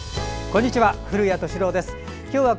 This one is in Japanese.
こんにちは。